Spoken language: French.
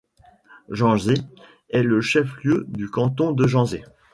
Janzé est le chef-lieu du canton de Janzé.